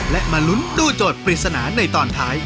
และมาลุ้นตู้โจทย์ปริศนาในตอนท้าย